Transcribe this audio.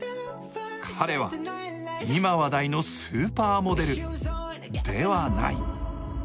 彼は、今話題のスーパーモデルではない。